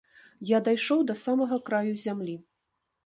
Я дайшоў да самага краю зямлі.